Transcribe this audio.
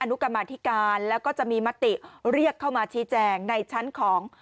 นุกรรมาธิการแล้วก็จะมีมติเรียกเข้ามาชี้แจงในชั้นของ